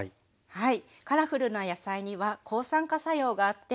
はい。